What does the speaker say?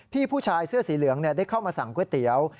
ผู้ชายเสื้อสีเหลืองได้เข้ามาสั่งก๋วยเตี๋ยว